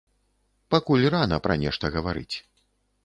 Пакуль рана пра нешта гаварыць.